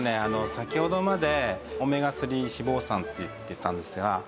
先ほどまでオメガ３脂肪酸って言ってたんですが。